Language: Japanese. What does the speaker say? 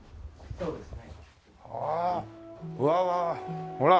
そうですよね。